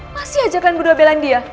masih ajak lo berdua belain dia